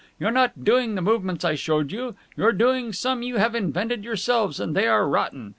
You're not doing the movements I showed you; you're doing some you have invented yourselves, and they are rotten!